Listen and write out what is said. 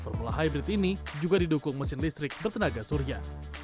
formula hybrid ini juga didukung mesin listrik bertenaga surya